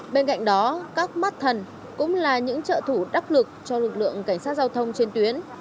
bên cạnh đó các mắt thần cũng là những trợ thủ đắc lực cho lực lượng cảnh sát giao thông trên tuyến